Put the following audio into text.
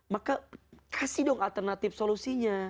maka kasih dong alternatif solusinya